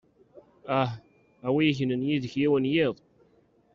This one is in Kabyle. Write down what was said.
Ah; a wi yegnen yid-k yiwen n yiḍ!